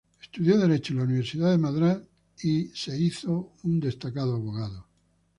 Estudió Derecho en la Universidad de Madrás y luego se tornó un destacado abogado.